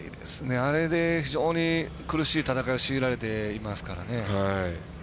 あれで、非常に苦しい戦いを強いられていますからね。